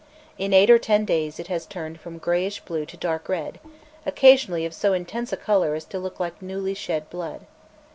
In eight or ten days it has turned from greyish blue to dark red, occasionally of so intense a colour as to look like newly shed blood.